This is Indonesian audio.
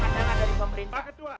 sampai jumpa di pemerintah